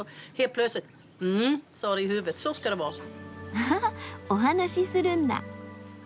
あははっお話しするんだ。